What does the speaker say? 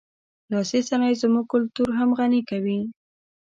لاسي صنایع زموږ کلتور هم غني کوي.